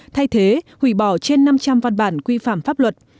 thay thế hủy bỏ trên năm trăm linh văn bản quy phạm pháp luật